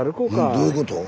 どういうこと？